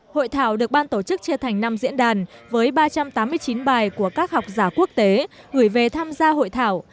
hội thảo được ban tổ chức chia thành năm diễn đàn với ba trăm tám mươi chín bài của các học giả quốc tế gửi về tham gia hội thảo